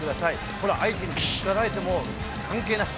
ほら、相手にぶつかられても関係なし。